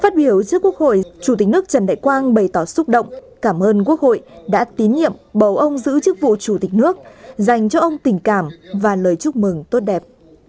phát biểu trước quốc hội chủ tịch nước trần đại quang bày tỏ xúc động cảm ơn quốc hội đã tín nhiệm bầu ông giữ chức vụ chủ tịch nước dành cho ông tình cảm và lời chúc mừng tốt đẹp